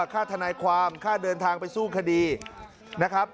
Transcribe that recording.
ค่าทนายความค่าเดินทางไปสู้คดีนะครับ